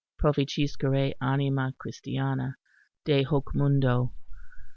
"Proficiscere, anima christiana, de hoc mundo.